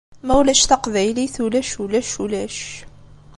Ma ulac taqbaylit ulac ulac ulac!